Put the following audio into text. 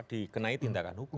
dikenai tindakan hukum